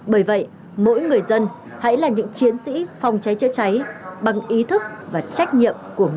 bởi vậy mỗi người dân hãy là những chiến sĩ phòng cháy chữa cháy bằng ý thức và trách nhiệm của người dân